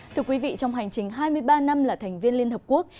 thưa quý vị trong hành trình hai mươi ba năm là thành viên liên hợp quốc